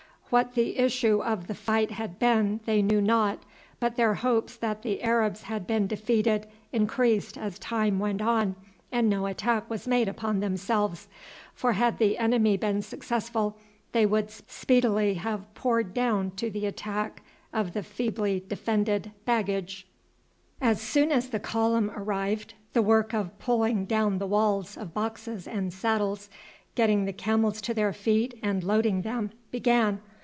What the issue of the fight had been they knew not, but their hopes that the Arabs had been defeated increased as time went on and no attack was made upon themselves, for had the enemy been successful they would speedily have poured down to the attack of the feebly defended baggage. As soon as the column arrived the work of pulling down the walls of boxes and saddles, getting the camels to their feet and loading them, began.